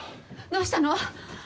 どうしたの？